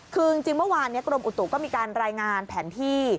คือจริงเมื่อวานกรมอุตุก็มีการรายงานแผนที่